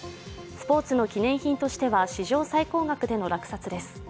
スポーツの記念品としては史上最高額の落札です。